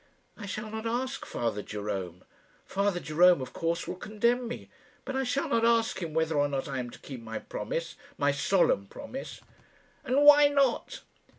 "I shall not ask Father Jerome. Father Jerome, of course, will condemn me; but I shall not ask him whether or not I am to keep my promise my solemn promise." "And why not?"